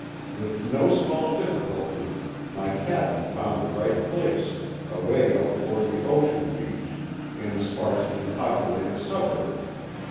With no small difficulty my cabman found the right place, away out toward the ocean beach, in a sparsely populated suburb.